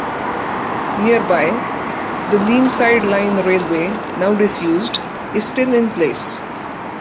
Nearby, the Leamside line railway, now disused, is still in place.